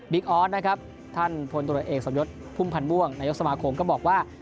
บิ๊กออสท่านพลตัวเอกสมยศพุ่มพันธ์ม่วงนายกสมาคมก็บอกว่า